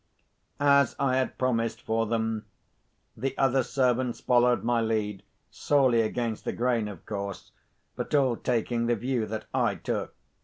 As I had promised for them, the other servants followed my lead, sorely against the grain, of course, but all taking the view that I took.